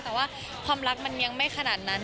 แต่ว่าความรักมันยังไม่ขนาดนั้น